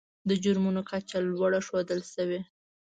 د جرمونو کچه لوړه ښودل شوې.